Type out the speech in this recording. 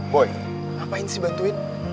woy apaan sih dibantuin